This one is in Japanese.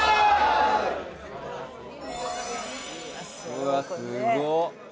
うわすごっこれ。